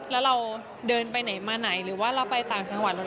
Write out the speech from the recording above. แล้วเราเดินไปไหนมาไหนหรือว่าเราไปต่างจังหวัด